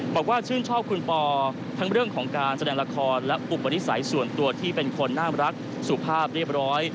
บอกว่าชื่นชอบคุณปอทั้งเรื่องของการแสดงละครและอุปนิสัยส่วนตัวที่เป็นคนน่ารักสุภาพเรียบร้อย